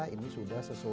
ini sudah beku